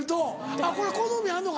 あっこれ好みあんのか？